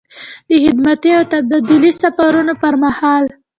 د خدمتي او تبدیلي سفرونو پر مهال.